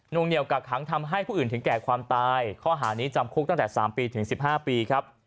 งเหนียวกักขังทำให้ผู้อื่นถึงแก่ความตายข้อหานี้จำคุกตั้งแต่๓ปีถึง๑๕ปีครับ